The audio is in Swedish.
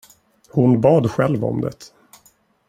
Hon bad själv om det.